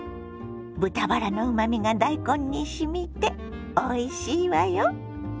豚バラのうまみが大根にしみておいしいわよ。